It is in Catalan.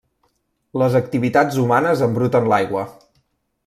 Les activitats humanes embruten l'aigua.